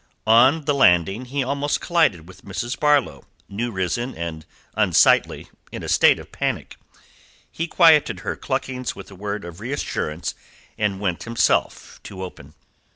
On the landing he almost collided with Mrs. Barlow, new risen and unsightly, in a state of panic. He quieted her cluckings with a word of reassurance, and went himself to open.